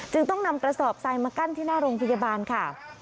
จึงต้องนำกระสอบทรายมากั้นที่หน้าโรงพยาบาลค่ะ